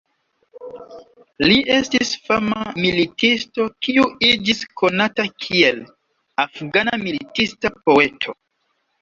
Li estis fama militisto kiu iĝis konata kiel "Afgana militista poeto".